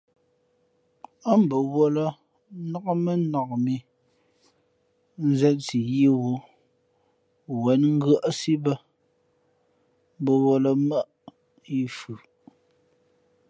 Ά mbαwᾱlᾱ nák mά nak mǐ zěn si yīī wú wen ngʉ́άʼsí bᾱ, mbαwᾱlᾱ mα̌ yi fʉʼ.